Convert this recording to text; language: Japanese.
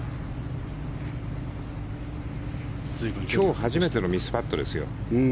今日初めてのミスパットですよ。